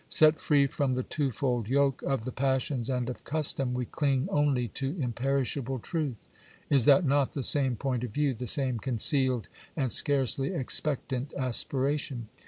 " Set free from the twofold yoke of the passions and of custom, we cling only to imperishable truth." Is that not the same point of view, the same concealed and scarcely expectant aspiration